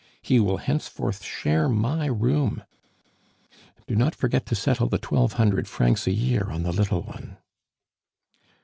He will henceforth share my room "Do not forget to settle the twelve hundred francs a year on the little one!"